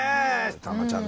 たまちゃん